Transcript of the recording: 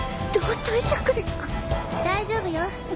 大丈夫よ。